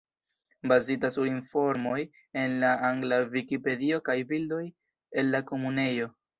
Bazita sur informoj en la angla Vikipedio kaj bildoj el la Komunejo.